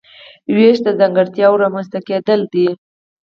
وېش د ځانګړتیاوو رامنځته کیدل دي.